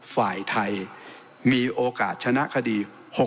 ฝ่ายไทยมีโอกาสชนะคดี